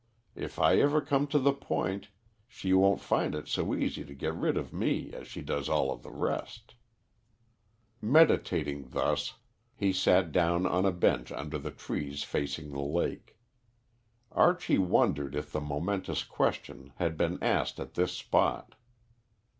If I ever come to the point, she won't find it so easy to get rid of me as she does of all the rest." Meditating thus, he sat down on a bench under the trees facing the lake. Archie wondered if the momentous question had been asked at this spot.